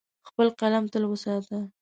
خپل قلم تل وساته.